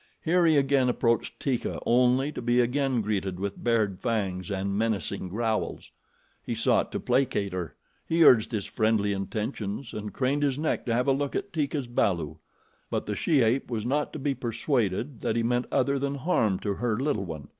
Here he again approached Teeka only to be again greeted with bared fangs and menacing growls. He sought to placate her; he urged his friendly intentions, and craned his neck to have a look at Teeka's balu; but the she ape was not to be persuaded that he meant other than harm to her little one.